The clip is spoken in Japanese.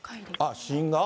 死因が？